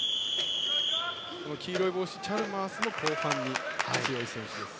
黄色い帽子チャルマースも後半に強い選手です。